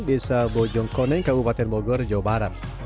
desa bojongkoneng kabupaten bogor jawa barat